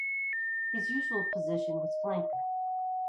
His usual position was flanker.